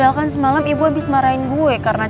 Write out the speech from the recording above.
kalian tapi baru mampus per beside mielle ditempat